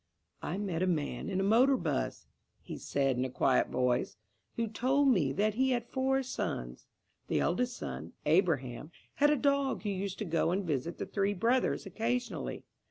"I met a man in a motor 'bus," he said in a quiet voice, "who told me that he had four sons. The eldest son, Abraham, had a dog who used to go and visit the three brothers occasionally.